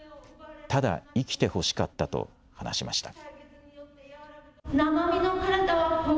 ただ生きてほしかったと話しました。